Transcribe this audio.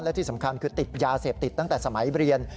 และที่สำคัญคือติดยาเสพติดตั้งแต่สมัยเรียน